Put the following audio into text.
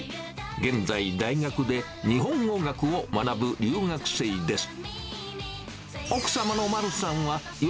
現在、大学で日本語学を学ぶ留学生です。